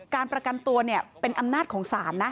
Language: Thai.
การประกันตัวเป็นอำนาจของศาลนะ